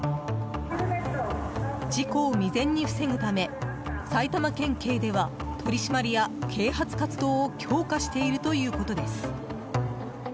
事故を未然に防ぐため埼玉県警では取り締まりや啓発活動を強化しているということです。